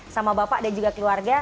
sama bapak dan juga keluarga